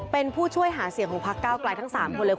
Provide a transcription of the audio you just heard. เป็นผู้ช่วยหาเสียงของพักเก้าไกลทั้ง๓คนเลย